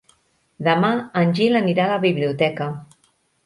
Demà en Gil anirà a la biblioteca.